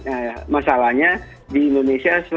nah masalahnya di indonesia selain kita kebijakan kita juga kebijakan